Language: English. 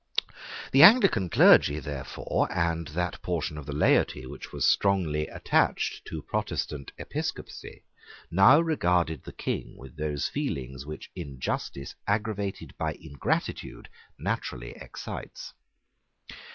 The Anglican clergy therefore, and that portion of the laity which was strongly attached to Protestant episcopacy, now regarded the King with those feelings which injustice aggravated by ingratitude naturally excites.